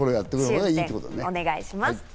お願いします。